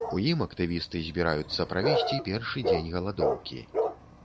У ім актывісты збіраюцца правесці першы дзень галадоўкі.